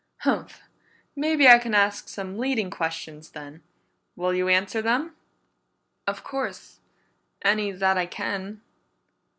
"Humph! Maybe I can ask some leading questions, then. Will you answer them?" "Of course, any that I can."